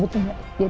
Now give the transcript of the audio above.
suapana tadi bro